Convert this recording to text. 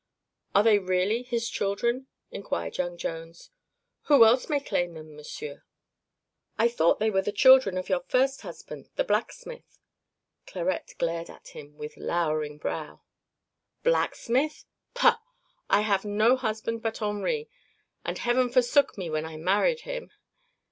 "Are they really his children?" inquired young Jones. "Who else may claim them, monsieur?" "I thought they were the children of your first husband, the blacksmith." Clarette glared at him, with lowering brow. "Blacksmith? Pah! I have no husband but Henri, and heaven forsook me when I married him."